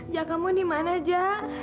ja kamu dimana ja